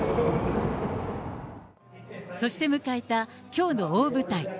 そして迎えたきょうの大舞台。